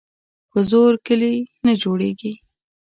په زور کلي نه جوړیږي.